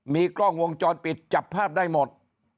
มีกล้องวงจรปิดจับภาพได้หมด